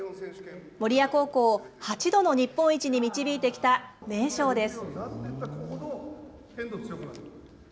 守谷高校を８度の日本一に導いてきた名将です。